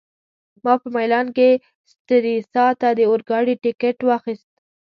ما په میلان کي سټریسا ته د اورګاډي ټکټ واخیست.